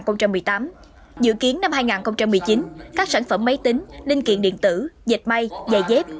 năm hai nghìn một mươi tám dự kiến năm hai nghìn một mươi chín các sản phẩm máy tính linh kiện điện tử dịch may dài dép